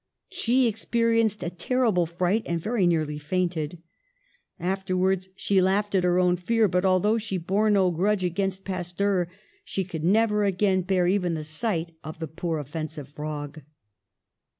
She experienced a terrible fright and very nearly fainted. Afterwards she laughed at her own fear, but, although she bore no grudge against Pasteur, she could never again bear even the sight of the poor, inoffensive frog!